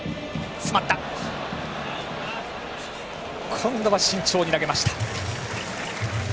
今度は慎重に投げました村上。